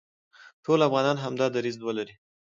ټول افغانان همدا دریځ ولري،